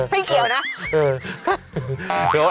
ไม่เกี่ยวนะ